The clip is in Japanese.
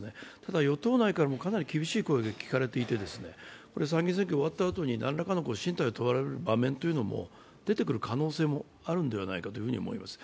ただ、与党内からもかなり厳しい声が聞かれてきて参議院選挙終わったあとに何らかの進退を求められることも出てくる可能性もあるのではないかと思います。